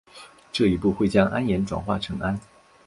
这一步会将铵盐转化成氨。